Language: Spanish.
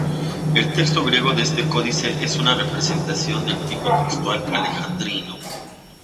El texto griego de este códice es una representación del tipo textual alejandrino.